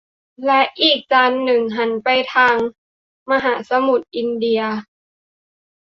และอีกจานหนึ่งหันไปทางมหาสมุทรอินเดีย